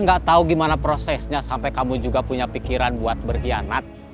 saya gak tau gimana prosesnya sampe kamu juga punya pikiran buat berkhianat